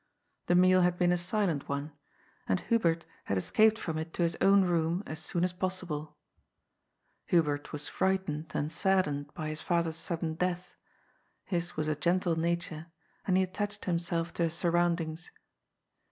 The meal had been a silent one, and Hubert had escaped from it to his own room as soon as possible. Hu 108 GOD'S POOL. bert was frightened and saddened by his father's sadden death. His was a gentle nature ; and he attached himself to his surroundings.